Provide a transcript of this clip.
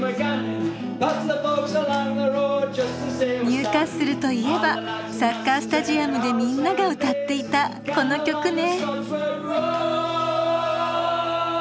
・ニューカッスルといえばサッカースタジアムでみんなが歌っていたこの曲ね。